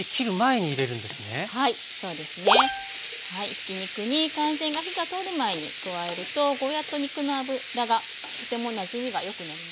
ひき肉に完全に火が通る前に加えるとゴーヤーと肉の脂がとてもなじみがよくなりますね。